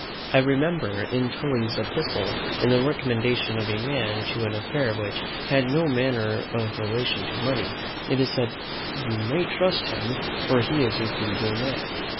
I remember in Tully's Epistle, in the recommendation of a man to an affair which had no manner of relation to money, it is said, "You may trust him, for he is a frugal man."